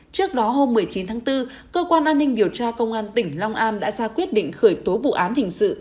trước đó hôm một mươi chín tháng bốn cơ quan an ninh điều tra công an tỉnh long an đã ra quyết định khởi tố vụ án hình sự